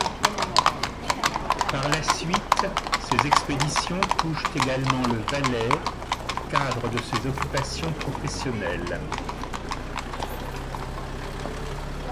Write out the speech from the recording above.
Par la suite, ses expéditions touchent également le Valais, cadre de ses occupations professionnelles.